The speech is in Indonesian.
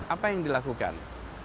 apa yang dilakukan